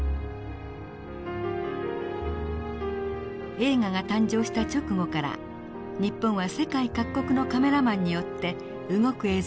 映画が誕生した直後から日本は世界各国のカメラマンによって動く映像に映されてきました。